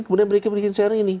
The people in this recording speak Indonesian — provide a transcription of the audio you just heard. kemudian mereka bikin sekarang ini